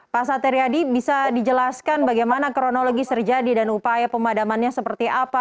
pak satriadi bisa dijelaskan bagaimana kronologi terjadi dan upaya pemadamannya seperti apa